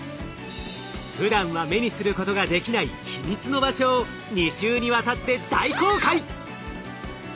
ふだんは目にすることができない秘密の場所を２週にわたって大公開！